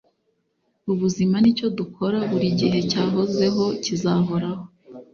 Ubuzima nicyo dukora, burigihe cyahozeho, kizahoraho.”